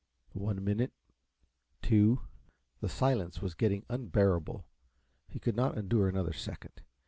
One minute two the silence was getting unbearable. He could not endure another second.